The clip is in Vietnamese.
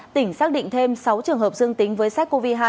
tỉnh xác định thêm sáu trường hợp dương tính với sars cov hai